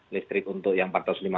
listrik untuk yang empat ratus lima puluh